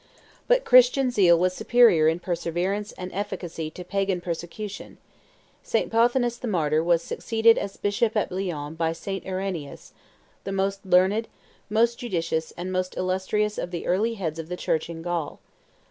But Christian zeal was superior in perseverance and efficacy to Pagan persecution. St. Pothinus the Martyr was succeeded as bishop at Lyons by St. Irenaeus, the most learned, most judicious, and most illustrious of the early heads of the Church in Gaul.